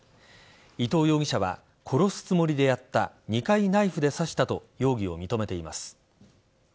伊藤容疑者は殺すつもりでやった２回ナイフで刺したと容疑を認めています。